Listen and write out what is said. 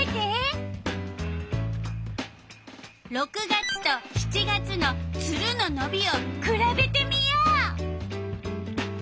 ６月と７月のツルののびをくらべてみよう。